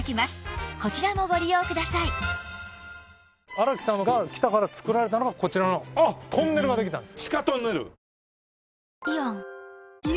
荒木さんが来たから造られたのがこちらのトンネルができたんです。